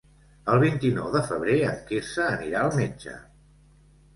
El vint-i-nou de febrer en Quirze anirà al metge.